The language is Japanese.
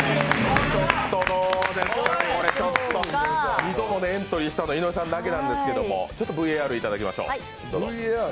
２度ほどエントリーしたの、井上さんだけなんですけどちょっとＶＡＲいただきましょう。